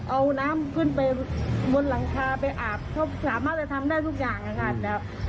เอาน้ำขึ้นไปบนหลังคาไปอาบเขาสามารถจะทำได้ทุกอย่างค่ะ